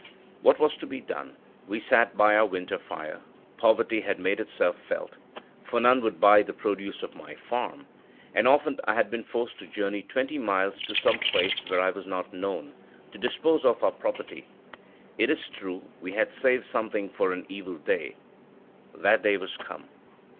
What was to be done? we sat by our winter fire poverty had made itself felt, for none would buy the produce of my farm; and often I had been forced to journey twenty miles to some place where I was not known, to dispose of our property. It is true, we had saved something for an evil day that day was come.